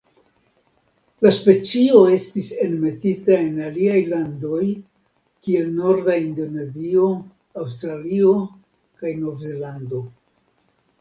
La specio estis enmetita en aliaj landoj kiel norda Indonezio, Aŭstralio kaj Novzelando.